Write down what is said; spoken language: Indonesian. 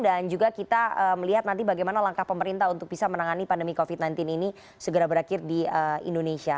dan juga kita melihat nanti bagaimana langkah pemerintah untuk bisa menangani pandemi covid sembilan belas ini segera berakhir di indonesia